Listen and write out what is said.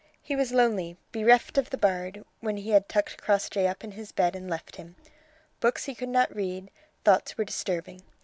He was lonely, bereft of the bard, when he had tucked Crossjay up in his bed and left him. Books he could not read; thoughts were disturbing.